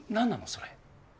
それ。